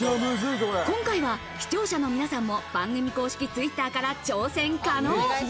今回は視聴者の皆さんも、番組公式Ｔｗｉｔｔｅｒから挑戦可能。